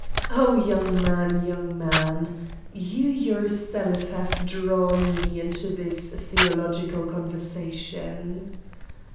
"Oh, young man, young man! You yourself have drawn me into this theological conversation."